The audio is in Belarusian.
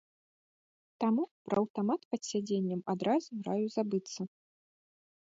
Таму пра аўтамат пад сядзеннем адразу раю забыцца.